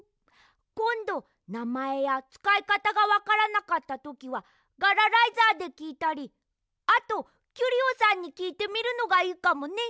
こんどなまえやつかいかたがわからなかったときはガラライザーできいたりあとキュリオさんにきいてみるのがいいかもね。